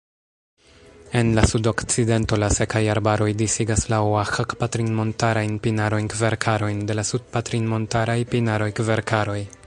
En la sudokcidento la sekaj arbaroj disigas la oaĥak-patrinmontarajn pinarojn-kverkarojn de la sud-patrinmontaraj pinaroj-kverkaroj.